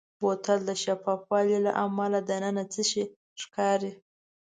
بوتل د شفاف والي له امله دننه څه شی ښکاري.